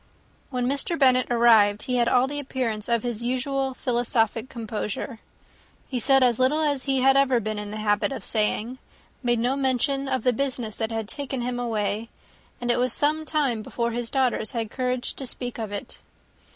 When Mr. Bennet arrived, he had all the appearance of his usual philosophic composure. He said as little as he had ever been in the habit of saying; made no mention of the business that had taken him away; and it was some time before his daughters had courage to speak of it.